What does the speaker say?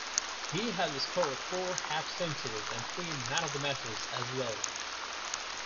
He has scored four half centuries and three man of the matches as well.